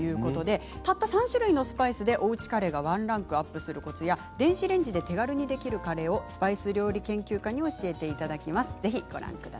たった３種類のスパイスでおうちカレーがワンランクアップするコツや電子レンジで手軽にできるカレーをスパイス料理研究家に教えていただきます。